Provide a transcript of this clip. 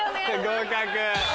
合格。